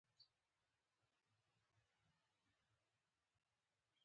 د ورتلو ډاډ مو ورکړ.